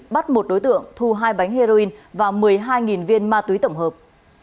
bắt một đối tượng thu hai bánh heroin và một mươi hai viên ma túy tổng hợp